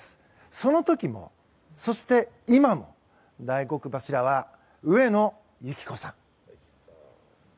その時も、そして今も大黒柱は上野由岐子さん。